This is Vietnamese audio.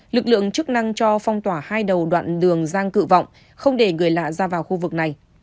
lực lượng chức năng cho phong tỏa hai đầu đoạn đường rang cự vọng không để người lạ ra vào khu vực này